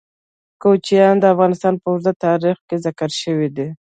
کوچیان د افغانستان په اوږده تاریخ کې ذکر شوی دی.